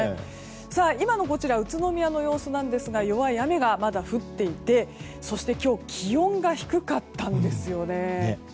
さあ、今の宇都宮の様子ですが弱い雨がまだ降っていてそして今日は気温が低かったんです。